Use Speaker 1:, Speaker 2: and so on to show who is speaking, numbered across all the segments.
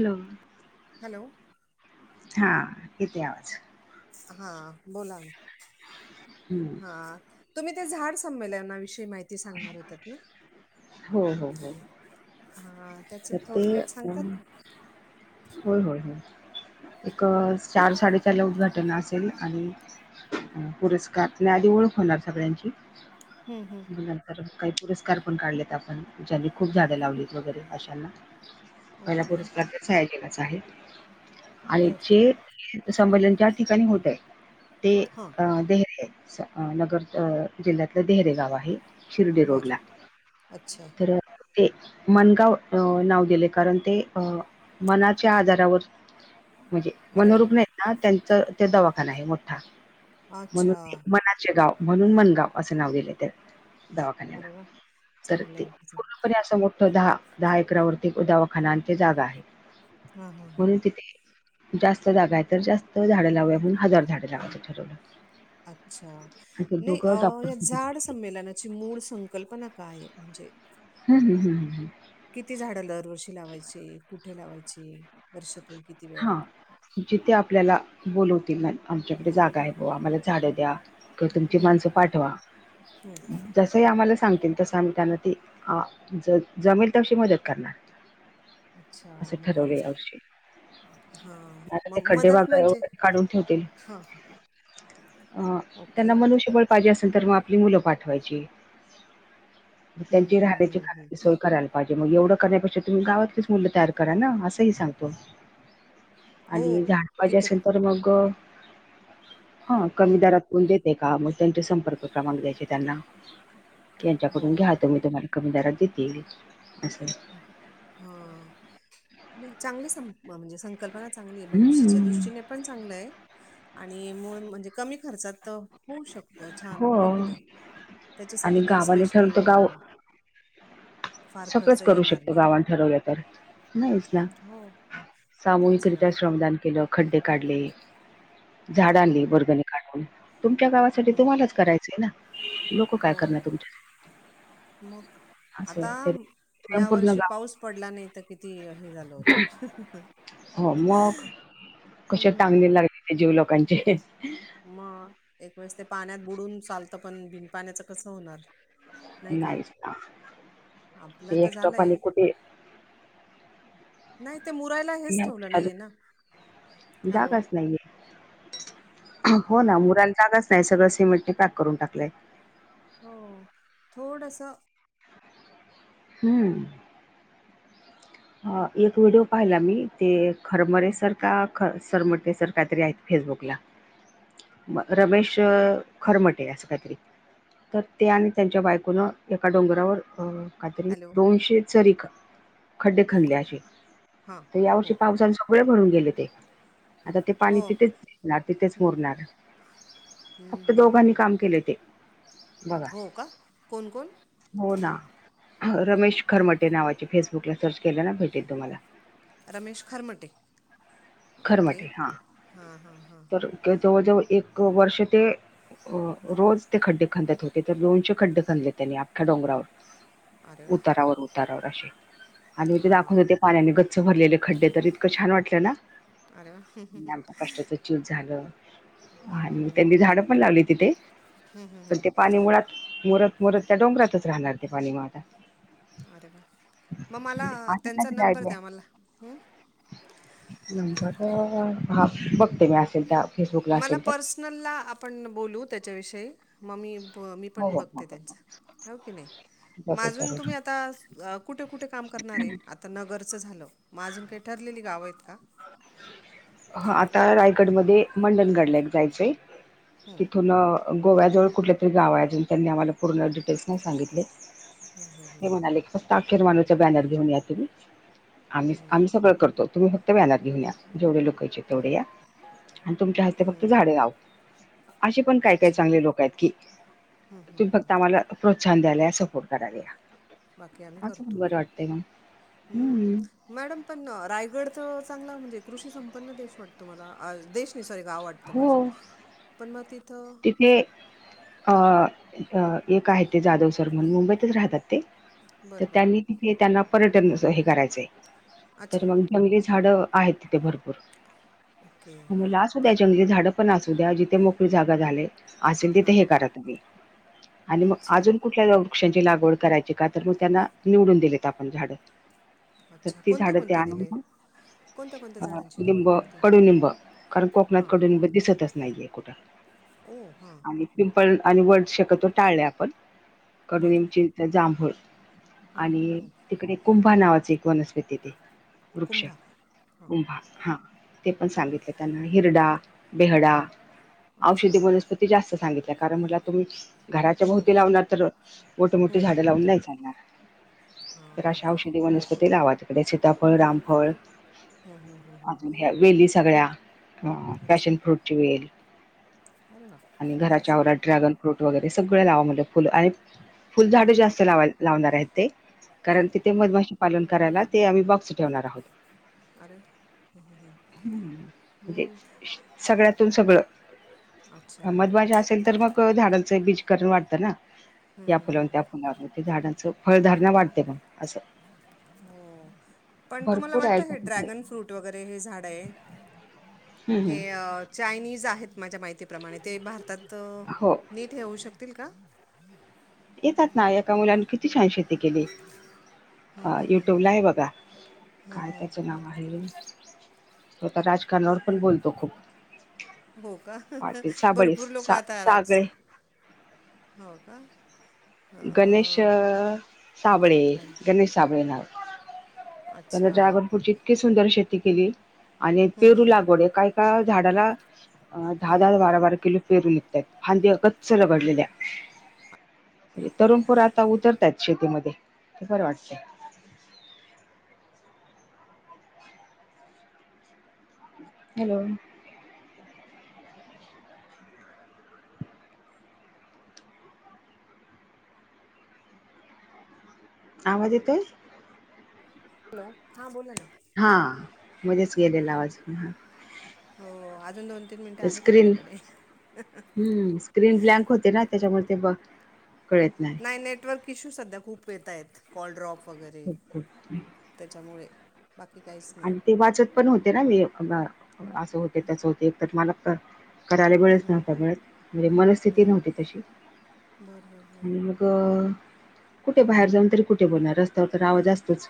Speaker 1: Hello
Speaker 2: hello
Speaker 1: हा येते आवाज.
Speaker 2: हा बोला ना
Speaker 1: हम्म.
Speaker 2: हा. तुम्ही ते झाड संमेलनाविषयी माहिती सांगणार होत ना?
Speaker 1: हो हो हो.
Speaker 2: हा त्याच
Speaker 1: तर ते
Speaker 2: थोडक्यात सांगतात?
Speaker 1: अम, होय होय होय एक चार साडेचाला उद्घाटन असेल आणि पुरस्कार आधी ओळख होणार सगळ्यांची
Speaker 2: हम् हम
Speaker 1: नंतर काही पुरस्कार पण काढलेत आपण ज्यांनी खूप झाडं लावलीत वगैरे अशाणा पहिला
Speaker 2: ओके
Speaker 1: पुरस्कार त्या सयाजीलाच आहे. आणि
Speaker 2: बर
Speaker 1: जी संमलन ज्या ठिकाणी होतय ते
Speaker 2: हां
Speaker 1: अ दे नगर अ जिल्ह्यातलं देहरे गाव आहे. शिर्डी रोड
Speaker 2: बर
Speaker 1: ला
Speaker 2: अच्छा
Speaker 1: तर ते मनगाव अ नाव दिलंय कारण अ ते मनाच्या आजारावर म्हणजे
Speaker 2: अरे
Speaker 1: मनोरुग्ण आहेत ना त्यांच ते दवाखाना आहे मोठा.
Speaker 2: वा अच्छा
Speaker 1: म्हणून मनाचे गाव म्हणून मनगाव असं नाव दिलय त्या दवाखान्याला
Speaker 2: अरे वा
Speaker 1: तर
Speaker 2: चांगलं
Speaker 1: ते
Speaker 2: आहे हे.
Speaker 1: पण असं मोठं दहा दहा एकरावरती दवाखाना आणि ते जागा आहे.
Speaker 2: हां हां हां
Speaker 1: म्हणून तिथे जास्त जागा आहे तर जास्त झाडं लावूया म्हणून हजार झाडं लावायचं ठरवलं. आणि
Speaker 2: अच्छा
Speaker 1: ते
Speaker 2: नाही
Speaker 1: दोघं
Speaker 2: अ या
Speaker 1: डॉक्टर
Speaker 2: झाड संमेलनाची मूळ संकल्पना काय म्हणजे.
Speaker 1: हम् ह हम् ह.
Speaker 2: किती झाडं दरवर्षी लावायचे कुठे लावायचे वर्षातून किती वेळा
Speaker 1: हा जिथे आपल्याला बोलवतील ना आमच्याकडे जागा आहे बवा आम्हाला झाडं द्या. तर तुमची
Speaker 2: हम्म
Speaker 1: माणसं पाठवा
Speaker 2: हम्म
Speaker 1: जसंही आम्हाला सांगतील तसं आम्ही त्यांना ती ज जमेल तशी मदत करणार.
Speaker 2: अच्छा
Speaker 1: असे ठरोवे
Speaker 2: मग
Speaker 1: आश
Speaker 2: हा
Speaker 1: म ते
Speaker 2: मग
Speaker 1: खड्डे
Speaker 2: मदत
Speaker 1: वागळे
Speaker 2: म्हणजे
Speaker 1: वगैरे काढून ठेवतील.
Speaker 2: हा
Speaker 1: अ
Speaker 2: ओके
Speaker 1: त्यांना मनुष्यबळ पाहिजे असेल तर मग आपली मुलं पाठवायची.
Speaker 2: हम्म
Speaker 1: त्यांची
Speaker 2: हम्म
Speaker 1: राहण्याची
Speaker 2: हम्म हम्म
Speaker 1: खज सोय करा. पाहिजे मग एवढं करण्यापेक्षा तुम्ही गावातच मुलं तयार करा ना असंही सांगतो.
Speaker 2: हो
Speaker 1: आणि झाड पाहिजे
Speaker 2: तिथं
Speaker 1: असेल तर मग हा कमी
Speaker 2: हम्म
Speaker 1: दरात देते का मग त्यांचे संपर्क क्रमांक द्यायचे त्यांना की
Speaker 2: हो
Speaker 1: यांच्याकडून घ्या. तर मी तुम्हाला कमी दरात देेत ये असं.
Speaker 2: हा नाही चांगली सं म्हणजे संकल्पना चांगली भविष्याच्या
Speaker 1: हम्म.
Speaker 2: दृष्टीने पण चांगलं आहे आणि मूळ म्हणजे कमी खर्चात होऊ शकतं छान
Speaker 1: हो
Speaker 2: आहे की नाही त्याच्यासाठी
Speaker 1: आणि
Speaker 2: काही
Speaker 1: गावाने
Speaker 2: स्पेशल
Speaker 1: ठरवतो गाव
Speaker 2: पार्क.
Speaker 1: करू शकतो गावां ठरवलं तर नाहीच ना
Speaker 2: हो तेच ना
Speaker 1: सामूहिकरित्या श्रमदान केलं खड्डे काढले
Speaker 2: हा
Speaker 1: झाड आणली वर्गणी. काढून तुमच्या गावासाठी
Speaker 2: हम्म
Speaker 1: तुम्हालाच करायचंय ना काय
Speaker 2: हो
Speaker 1: करणार तुमच्या
Speaker 2: मग.
Speaker 1: असं
Speaker 2: आता
Speaker 1: ते
Speaker 2: या
Speaker 1: स्वयंपूर्ण
Speaker 2: वर्षी
Speaker 1: गाव
Speaker 2: पाऊस पडला नाही तर किती हे झालं होत.
Speaker 1: हो मग कश
Speaker 2: हम्म
Speaker 1: टांगले. जीव लोकांचे.
Speaker 2: मग एक वेळेस ते पाण्यात बुडून चालतं पण बिन पाण्याचं कसं होणार. नाही का
Speaker 1: नाहीच ना
Speaker 2: आपलं
Speaker 1: ते
Speaker 2: तर
Speaker 1: एक्स्ट्रा
Speaker 2: झालंय.
Speaker 1: पाणी कुठे
Speaker 2: नाही ते मुरायला हेच
Speaker 1: नाही,
Speaker 2: ठेवलं नाहीये
Speaker 1: अजून
Speaker 2: ना हॅलो.
Speaker 1: जागाच नाहीये हो
Speaker 2: हा
Speaker 1: ना मुलाला जागच नाही सगळं सिमेटने पॅक करून टाकलंय.
Speaker 2: हो थोडस.
Speaker 1: हम्म एक व्हिडिओ पाहिला मी ते खरमरेसर का ख सरमटेसर कायतरी आहेत फेसबुकला म रमेश खरमटे असं काहीतरी. तर ते आणि त्यांच्या बायकोन एका डोंगरावर काय तरी
Speaker 2: हॅलो
Speaker 1: दोनशे चरी. खड्डे खाल्ले असे
Speaker 2: हां
Speaker 1: तर
Speaker 2: हो
Speaker 1: यावर्षी पावसाने सगळे भरून गेले ते. आता ते पाणी
Speaker 2: हो
Speaker 1: तिथेच भिजणार तिथेच मुरणार. फक्त दोघांनी काम केले ते बघा.
Speaker 2: हो का कोण कोण
Speaker 1: हो ना रमेश खरमटे नावाचे फेसबुकला सर्च केल्या ना भेटेल तुम्हाला.
Speaker 2: रमेश खरमटे ओके
Speaker 1: खरमटे हा.
Speaker 2: हां हां हां हां.
Speaker 1: तर जवळजवळ एक वर्ष ते अ रोज ते खड्डे खांदात होते तर दोनशे खड्डे खाले त्यांनी आख्ख्या डोंगरावर.
Speaker 2: अरे वा
Speaker 1: उतारावर उतारावर असे आणि म तेे दाखवत
Speaker 2: हां
Speaker 1: होते. पाण्याने गच्च भरलेले खड्डे तर इतकं छान वाटलं ना.
Speaker 2: अरे वा.
Speaker 1: आमच्या कष्टाच चिज झालं आणि त्यांनी झाडं पण लावली तिथे. पण ते पाणी मुळात मुरत मुरत त्या डोंगरातच राहणार ते पाणी मग आता.
Speaker 2: अरे वा मग मला
Speaker 1: असं
Speaker 2: त्यांचा
Speaker 1: काहीतरी
Speaker 2: नंबर
Speaker 1: आयडिया
Speaker 2: द्या मला.
Speaker 1: नंबर हा बघते मी असेल त्या फेसबुकला
Speaker 2: मला
Speaker 1: असेल तर
Speaker 2: पर्सनलला आपण बोलू त्याच्याविषयी मग ममी ब मी
Speaker 1: हो
Speaker 2: पण
Speaker 1: हो हो
Speaker 2: बघते
Speaker 1: हो.
Speaker 2: त्यांचं हो की नाही
Speaker 1: जरूर
Speaker 2: आजुन
Speaker 1: जरूर
Speaker 2: तुम्ही आता. गा कुठे कुठे काम करणार आहे, आता नगरचं झालं, मग अजून काही ठरलेली गावं आहेत का?
Speaker 1: हा आता रायगडमध्ये मंडनगडला एक जायचंय. तिथून अ गोव्याजवळ कुठलं तरी गाव आहे, अजून त्यांनी आम्हाला पूर्ण डिटेल्स नाही सांगितले. ते म्हणाले फक्त अखेर [unintelligible] बॅनर घेऊन या तुम्ही, आम्ही आम्ही सगळं कर तुम्ही फक्त बॅनर घेऊन या, जेवढे लोकं यायचे तेवढे या, आणि तुमच्या हस्ते
Speaker 2: हं,
Speaker 1: फक्त झाडे लावू. असे पण काय काय
Speaker 2: अच्छा
Speaker 1: चांगले लोकं आहेत की, तुम्ही फक्त आम्हाला प्रोत्साहन द्यायला या, सपोर्ट करायला
Speaker 2: बाकी आम्ही
Speaker 1: या असं
Speaker 2: करतो
Speaker 1: बरं वाटतंय मग,
Speaker 2: हं.
Speaker 1: हम्म.
Speaker 2: मॅडम पण रायगड तर चांगला म्हणजे कृषी संपन्न देश वाटतो मला, अ देश नाही सॉरी गाव वाट तं माझं, पण मग तिथं
Speaker 1: ते अ, एक आहे ते जाधव सर म्हणून मुंबईतच राहतात ते. तर
Speaker 2: बरं
Speaker 1: त्यांनी
Speaker 2: बरं
Speaker 1: तिथे त्यांना पर्यटन हे करायचंय, तर
Speaker 2: अच्छा
Speaker 1: मग जंगली झाडं आहेत तिथे भरपूर,
Speaker 2: ओके
Speaker 1: म म्हणल असुद्या
Speaker 2: बरं
Speaker 1: जंगली झाडं पण असू द्या जिथे मोकळी जागा झाले, असेल तिथे
Speaker 2: हां
Speaker 1: हे करा तुम्ही आणि मग
Speaker 2: अच्छा
Speaker 1: अजून कुठल्या लो वृक्षांची लागवड करायची का, तर मग त्यांना निवडून दिलेत आपण झाडं. तर
Speaker 2: अच्छा
Speaker 1: ती
Speaker 2: कोणते
Speaker 1: झाडं ती
Speaker 2: कोणते
Speaker 1: आणून
Speaker 2: दिले
Speaker 1: मग
Speaker 2: कोणत्या कोणत्या
Speaker 1: अ
Speaker 2: झाडांची निवड
Speaker 1: लिंब
Speaker 2: केली तू
Speaker 1: कडुलिंब, कारण कोकणात
Speaker 2: हां
Speaker 1: कडुलिंब दिसतच नाहीये कुठं.
Speaker 2: ओ हा.
Speaker 1: पिंपल आणि वड शक्यतो टाळले आपण.
Speaker 2: बरं
Speaker 1: कडुलिंब, चिंच, जांभुळ आणि तिकडे कुंभा नावाचं एक वनस्पती ते. वृक्ष
Speaker 2: कुंभा हां
Speaker 1: कुंभा हा, ते पण
Speaker 2: बरं
Speaker 1: सांगितले त्यांना हिरडा, बेहडा
Speaker 2: हां अच्छा
Speaker 1: औषधी वनस्पती जास्त सांगितल्या, कारण म्हणला तुम्ही घराच्या भोवती लावणार तर, मोठ मोठी झाडे लावून नाही चालणार. तर अशा औष वनस्पती लावा तिकडे सीताफळ, रामफळ अजून ह्या वेली सगळ्या, अ
Speaker 2: अच्छा
Speaker 1: पॅशन फ्रूटची वेल
Speaker 2: [unintelligible]
Speaker 1: आणि घराच्या
Speaker 2: फॅशन
Speaker 1: आवरात ड्रॅगन फ्रूट वगैरे सगळं लावा म्हणलं फुलं, आणि फुल झाडं जास्त लाव लावणार आहेत ते, कारण तिथे मधमाशी पालन करायला ते आम्ही बॉक्स ठेवणार आहोत.
Speaker 2: अरे वा.
Speaker 1: म्हणजे सगळ्यातून सगळं.
Speaker 2: अच्छा
Speaker 1: मधमाशा असेल तर मग अ झाडांचं बीजकरण वाढतं ना? या फुला त्या फुलावर, मग ते झाडांचं फळधारणा वाढते मग असं.
Speaker 2: हो, पण तुम्हाला
Speaker 1: भरपूर आहे
Speaker 2: वाटतं हे ड्रॅगन
Speaker 1: हम्म,
Speaker 2: फ्रूट वगैरे हे झाड आहे हे
Speaker 1: हम्म.
Speaker 2: अ चायनीज आहेत माझ्या माहितीप्रमाणे, ते भारतात
Speaker 1: हो
Speaker 2: नीट हे होऊ शकतील का?
Speaker 1: येतात ना, एका मुलाने किती छान शेती केली. अ युट्यूब ला आहे बघा. काय त्याचं नाव आहे? तो आता राजकारणावर पण बोलतो खूप.
Speaker 2: हो का, हा हा
Speaker 1: पाटील साबळे
Speaker 2: भरपूर लोक
Speaker 1: सा
Speaker 2: आता राज,
Speaker 1: सागळे
Speaker 2: हो का?
Speaker 1: गणेश अ
Speaker 2: अं,
Speaker 1: साबळे,
Speaker 2: गण
Speaker 1: गणेश साबळे नाव त्यानं
Speaker 2: अच्छा
Speaker 1: ड्रॅगन फ्रूटची इतकी सुंदर शेती केली, आणि पेरू लागवडंए काय ता झाडाला, दहा दहा बारा बारा किलो पेरून निघतायत. फांद्या गच्च रगडलेल्या, तरुण पोरात आता उतरतायत शेतीमध्ये, ते बरं वाटते. हॅलो! आवाज येतोय?
Speaker 2: हॅलो! हां बोला ना.
Speaker 1: हा, मधेच गेलेला आवाज.
Speaker 2: हो, अजून दोन तीन मिनटं
Speaker 1: तर
Speaker 2: आहेत
Speaker 1: स्क्रीन
Speaker 2: आपल्याकडे.
Speaker 1: हम्म स्क्रीन ब्लॅंक होते ना त्याच्यामुळे ते बघ
Speaker 2: नाही नेटवर्क इश्यू सध्या खूप येत आहेत, कॉलड्रॉप वगैरे.
Speaker 1: खूप खूप
Speaker 2: त्याच्यामुळे बाकी काहीच नाही
Speaker 1: आणि ते वाचत पण होते ना मी म, असं होते तसं होते त्यात मला क करायला वेळच नव्हता मिळत, मनस्थिती नव्हती तशी.
Speaker 2: बरं बरं बरं
Speaker 1: आणि मगं कुठे बाहेर जाऊन तरी कुठे बोलणार रस्त्यावर तर आवाज असतोच.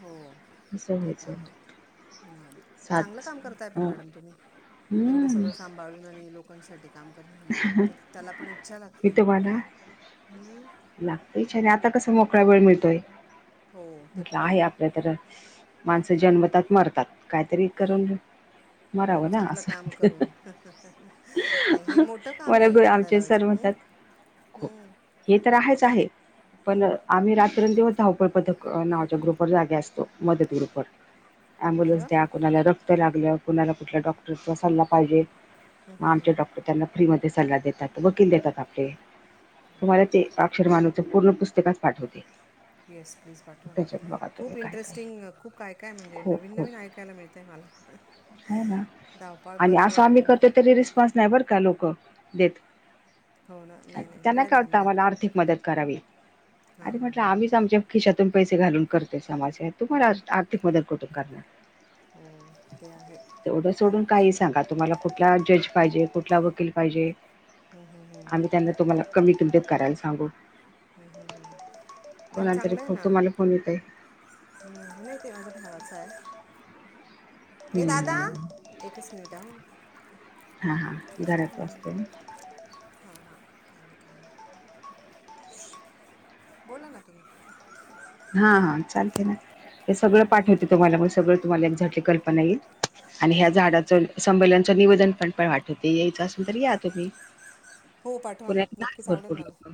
Speaker 2: हो,
Speaker 1: असं
Speaker 2: ते.
Speaker 1: व्हायचं
Speaker 2: आहेत, नाही, चांगलं
Speaker 1: सात
Speaker 2: काम करताय पण मॅडम तुम्ही, एवढं
Speaker 1: हम्म
Speaker 2: सगळं साम भाळून आणि लोकांसाठी काम करन म्हणजे एकतर त्याला पण इच्छा लागते. हम्म.
Speaker 1: लागते छने आता कसं मोकळा वेळ मिळतोय,
Speaker 2: हो ते
Speaker 1: म्हंटलं
Speaker 2: पण
Speaker 1: आहे आपल्या तर माणसं जन्मतात मरतात, काहीतरी करून
Speaker 2: हो
Speaker 1: मराव ना
Speaker 2: चांगलं
Speaker 1: असं
Speaker 2: काम
Speaker 1: वाटत,
Speaker 2: करून नाही हे मोठं काम
Speaker 1: मला पण आमचे सर म्हणतात. [inaudible]
Speaker 2: हम्म.
Speaker 1: हे तर आहेच आहे, पण आम्ही रात्रनदिवस धावपळ पथक नावाच्या ग्रुपवर जागे असतो मदत ग्रुपवर.
Speaker 2: अरे
Speaker 1: अँम्बुलन्स
Speaker 2: वा
Speaker 1: द्या कुणाला रक्त लागलं कुणाला कुठल्या डॉक्टरचा सल्ला पाहिजे. म आमचे डॉक्टर त्यांना फ्री मध्ये सल्ला देतात वकील देतात आपले,
Speaker 2: अरे वा
Speaker 1: तुम्हाला ते अक्षर मानूच पूर्ण पुस्तकच पाठवते.
Speaker 2: येस प्लीज पाठवा ना,
Speaker 1: त्याच्यात बघा तुम्ही
Speaker 2: खूप
Speaker 1: काय काय
Speaker 2: इंटरेस्टिंग खूप काय काय म्हणजे
Speaker 1: खूप
Speaker 2: नवीन
Speaker 1: खूप
Speaker 2: नवीन ऐकायला मिळतय मला. [inaudible]
Speaker 1: हो ना,
Speaker 2: धावपाळ
Speaker 1: आणि असं
Speaker 2: पथक
Speaker 1: आम्ही
Speaker 2: म्हणजे
Speaker 1: करतोय तरी रिस्पॉन्स नाही बरं का लोक, देत.
Speaker 2: हो ना नाही नाही मिळेल ना.
Speaker 1: आता
Speaker 2: मिळेल
Speaker 1: आम्हाला आर्थिक मदत करावी,
Speaker 2: हां
Speaker 1: अरे
Speaker 2: हां
Speaker 1: म्हटलं
Speaker 2: हां हां
Speaker 1: आम्हीच आमच्या खिशातून पैसे घालून करते समाज तुम्हाला आर्थिक मदत कुठून करणार.
Speaker 2: हो ते आहे.
Speaker 1: तेवढं सोडून काही सांगा तुम्हाला कुठला जज पाहिजे कुठला वकील पाहिजे. आम्ही त्यांना तुम्हाला कमी किमतीत करायला सांगू.
Speaker 2: हम्म हम्म हम्म नाही
Speaker 1: कोणाला तरी
Speaker 2: चांगलं आहे
Speaker 1: फो-
Speaker 2: ना.
Speaker 1: तुम्हाला फोन येतय
Speaker 2: हम्म नाही ते माझ भावाच आहे. ये दादा
Speaker 1: हम्म
Speaker 2: एकच मिनट हं.
Speaker 1: हा हा घरात वाजतोय न.
Speaker 2: हा हा. काही नाही काही नाही, बोला ना तुम्ही?
Speaker 1: हा हा चालते ना, हे सगळं पाठवते तुम्हाला म सगळं तुम्हाला एक्झॅटली कल्पना येईल. आणि ह्या झाडाच संमेलनच निवेदन पण पाठवते यायचं असल तर या तुम्ही.
Speaker 2: हो पाठवा ना
Speaker 1: [unintelligible]
Speaker 2: नक्कीच आवडेल
Speaker 1: भरपूर
Speaker 2: मला
Speaker 1: लोक.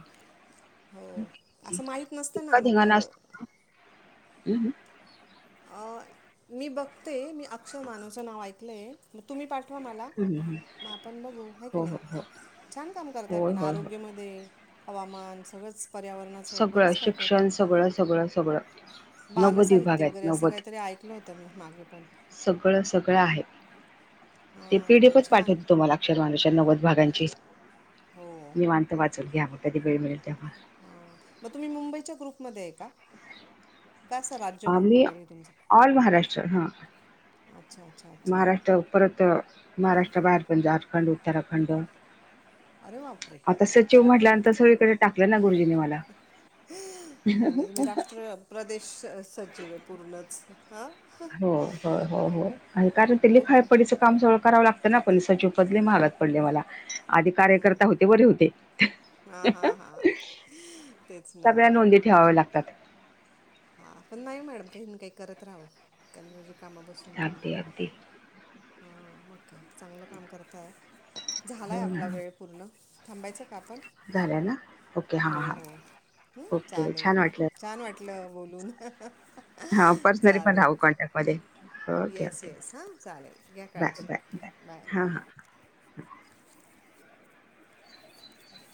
Speaker 2: हो असं माहीत नसतं
Speaker 1: इतका
Speaker 2: ना मग
Speaker 1: धिंगाणा
Speaker 2: अ,
Speaker 1: असतो, [unintelligible]
Speaker 2: अ, मी बघते, मी अक्षय मानूचं नाव ऐकलंय, म तुम्ही पाठवा मला.
Speaker 1: हम्म हम्म
Speaker 2: म आपण बघू हाय की
Speaker 1: हो
Speaker 2: नाही,
Speaker 1: हो हो
Speaker 2: छान काम करताय
Speaker 1: होय
Speaker 2: पण
Speaker 1: होय होय
Speaker 2: आरोग्यामध्ये. हवामान सगळंच. पर्यावरणाचं
Speaker 1: सगळं
Speaker 2: बरंच काय काय का
Speaker 1: शिक्षण सगळं सगळं सगळं, नव्वद विभाग आहेत नव्वद.
Speaker 2: तरी ऐकलं होतं मी मागे पण.
Speaker 1: सगळं सगळं आहे, ते
Speaker 2: हां
Speaker 1: पी डी एफच
Speaker 2: खूप छान
Speaker 1: पाठवते तुम्हाला. [unintelligible] नव्वद भागांची.
Speaker 2: हो.
Speaker 1: निवांत वाचून घ्या मग कधीे वेळ मिळेल तेव्हा
Speaker 2: हा म तुम्ही मुंबईच्या ग्रुपमध्ये आहे का? काय अस राज्य ग्रुप
Speaker 1: आम्ही
Speaker 2: वगैरे तुमचं,
Speaker 1: ऑल महाराष्ट्र हा
Speaker 2: अच्छा! अच्छा अच्छा
Speaker 1: महाराष्ट्र परत, महाराष्ट्राबाहेर पण झारखंड, उत्तराखंड.
Speaker 2: अरे बापरे
Speaker 1: आता सचिव
Speaker 2: उत्तराखंड
Speaker 1: म्हटल्यानंतर सगळीकडे टाकलं ना गुरुजीनी मला.
Speaker 2: म्हणजे तुम्ही राष्ट्र
Speaker 1: [unintelligible]
Speaker 2: प्रदेश सचिव आहे पूर्णच, हां.
Speaker 1: हो हो हो हो आणि कारण तेनि
Speaker 2: उत
Speaker 1: खाय. पडीचं काम सगळ कराव लागत ना. पण सचिव पद लय महागात पडले मला. आधी कार्यकर्ता होते बरे होते.
Speaker 2: हा हा हा तेच ना
Speaker 1: सगळ्या नोंदी ठेवाव्या लागतात.
Speaker 2: हा पण नाही. मॅडम काही ना काही करत राहाव. काही काम बसून पण
Speaker 1: अगदी अगदी
Speaker 2: हा मग काय चांगलं काम करताय. झालाय
Speaker 1: हो
Speaker 2: आपला वेळ. पूर्ण थांबायचं का आपण.
Speaker 1: झालं ना. ओके हां
Speaker 2: हो
Speaker 1: हा.
Speaker 2: हो हं,
Speaker 1: ओके
Speaker 2: चालेल
Speaker 1: छान वाटलं.
Speaker 2: छान वाटलं बोलून.
Speaker 1: हा पर्सनली पण
Speaker 2: चालेल
Speaker 1: राहू. कॉन्टॅक्ट मध्ये, ओके
Speaker 2: येस
Speaker 1: ओके
Speaker 2: येस हां चालेल घ्या
Speaker 1: बाय
Speaker 2: काळजी
Speaker 1: बाय बाय हां हां. [unintelligible]